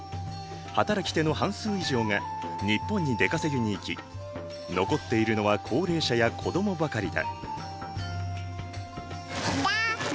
働き手の半数以上が日本に出稼ぎに行き残っているのは高齢者や子供ばかりだ。